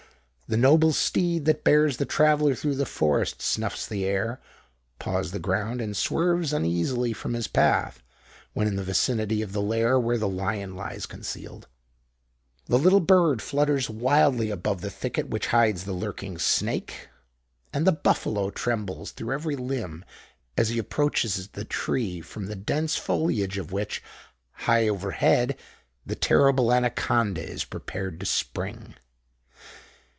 The noble steed that bears the traveller through the forest, snuffs the air, paws the ground, and swerves uneasily from his path, when in the vicinity of the lair where the lion lies concealed: the little bird flutters wildly above the thicket which hides the lurking snake;—and the buffalo trembles through every limb as he approaches the tree from the dense foliage of which, high over head, the terrible anaconda is prepared to spring.